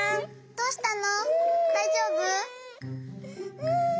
どうしたの？